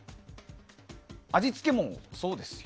味付けもそうです。